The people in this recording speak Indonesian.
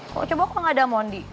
kok coba kok nggak ada mondi